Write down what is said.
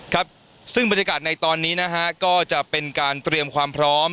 ครับซึ่งบรรยากาศในตอนนี้นะฮะก็จะเป็นการเตรียมความพร้อม